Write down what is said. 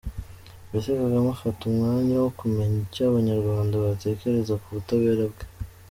Mbese Kagame afata umwanya wo kumenya icyo abanyarwanda batekereza ku butabera bwe ?